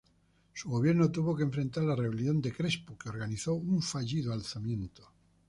Su gobierno tuvo que enfrentar la rebelión de Crespo, que organizó un fallido alzamiento.